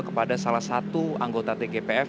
kepada salah satu anggota tgpf